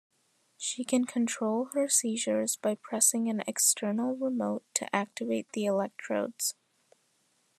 She can control her seizures by pressing an external remote to activate the electrodes.